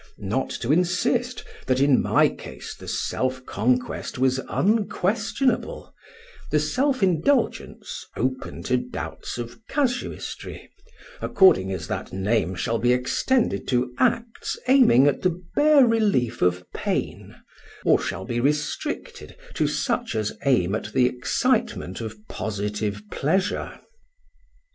Not to insist that in my case the self conquest was unquestionable, the self indulgence open to doubts of casuistry, according as that name shall be extended to acts aiming at the bare relief of pain, or shall be restricted to such as aim at the excitement of positive pleasure.